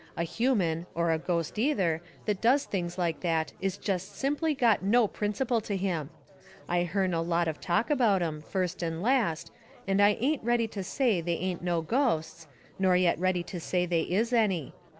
A human, or a ghost either, that does things like that is jest simply got no principle to him. I hearn a lot of talk about 'em, first and last, and I ain't ready to say they ain't no ghosts, nor yet ready to say they is any.